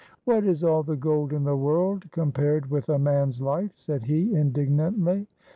"What is all the gold in the world compared with a man's life?" said he, indignantly.